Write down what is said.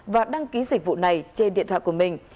và đăng ký dịch vụ này trên điện thoại của mình